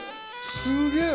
すげえ！